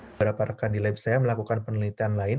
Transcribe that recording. beberapa rekan di lab saya melakukan penelitian lain